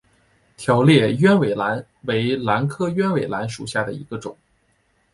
条裂鸢尾兰为兰科鸢尾兰属下的一个种。